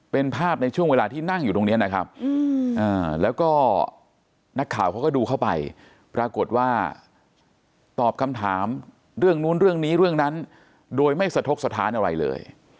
เป็นภาพในช่วงเวลาที่นั่งอยู่ตรงนี้นะครับแล้วก็นักข่าวเขาก็ดูเข้าไปปรากฏว่าตอบคำถามเรื่องนู้นเรื่องนี้เรื่องนั้นโดยไม่สะทกสถานอะไรเลย